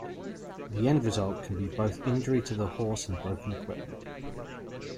The end result can be both injury to the horse and broken equipment.